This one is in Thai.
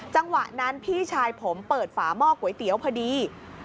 จังหวะนั้นพี่ชายผมเปิดฝาหม้อก๋วยเตี๋ยวพอดี